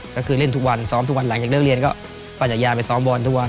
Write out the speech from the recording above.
ก็คือเล่นทุกวันซ้อมทุกวันหลังจากเลิกเรียนก็ปั่นจักรยานไปซ้อมบอลทุกวัน